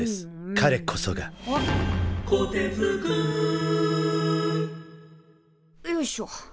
かれこそがよいしょ。